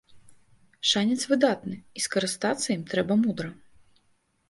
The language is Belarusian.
Шанец выдатны, і скарыстацца ім трэба мудра.